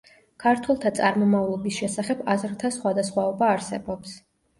ქართველთა წარმომავლობის შესახებ აზრთა სხვადასხვაობა არსებობს.